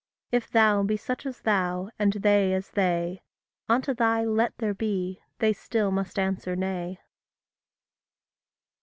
If thou be such as thou, and they as they, Unto thy Let there be, they still must answer Nay.